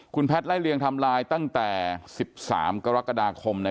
คุณแพทย์ไล่เลียงทำลายตั้งแต่๑๓กรกฎาคม